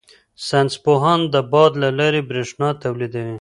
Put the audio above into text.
ساینس پوهان د باد له لارې بریښنا تولیدوي.